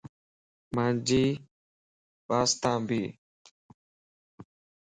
مانجي پاستان ٻي